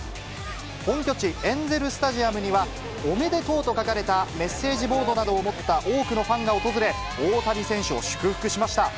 本拠地、エンゼル・スタジアムにはおめでとうと書かれたメッセージボードなどを持った多くのファンが訪れ、大谷選手を祝福しました。